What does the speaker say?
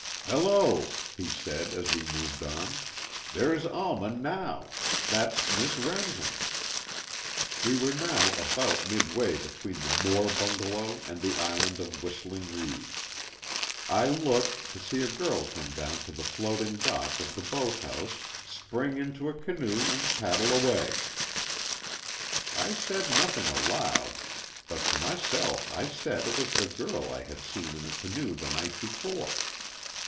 "Hello," he said, as we moved on, "there's Alma now. That's Miss Remsen." We were now about midway between the Moore bungalow and the Island of Whistling Reeds. I looked, to see a girl come down to the floating dock of the boathouse, spring into a canoe and paddle away. I said nothing aloud, but to myself I said it was the girl I had seen in a canoe the night before.